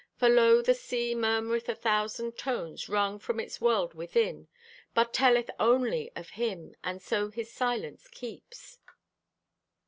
For lo, the sea murmureth a thousand tones, Wrung from its world within, But telleth only of Him, And so His silence keeps.